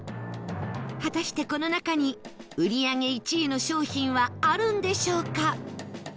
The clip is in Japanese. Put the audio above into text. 果たしてこの中に売り上げ１位の商品はあるんでしょうか？